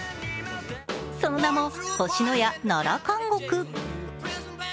その名も、星のや奈良監獄。